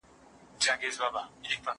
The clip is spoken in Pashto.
ښوونځی له کتابتونه ښه دی؟!